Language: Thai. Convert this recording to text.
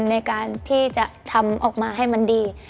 ในการที่จะทำออกมาให้มันดี